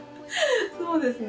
そうですね